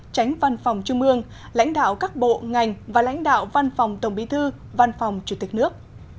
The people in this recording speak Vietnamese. tránh văn phòng trung ương lãnh đạo các bộ ngành và lãnh đạo văn phòng tổng bí thư văn phòng chủ tịch nước